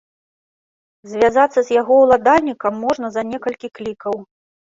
Звязацца з яго ўладальнікам можна за некалькі клікаў.